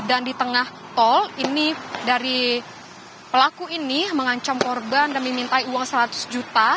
dan di tengah tol ini dari pelaku ini mengancam korban dan memintai uang seratus juta